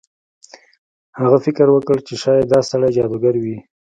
هغه فکر وکړ چې شاید دا سړی جادوګر وي.